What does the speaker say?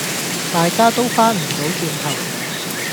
大家都翻唔到轉頭